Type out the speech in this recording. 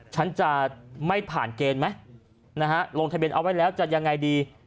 ฉันจะไม่ผ่านเกณฑ์ไหมนะฮะลงทะเบียนเอาไว้แล้วจะยังไงดี